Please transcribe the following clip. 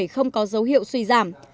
không có dấu hiệu suy giảm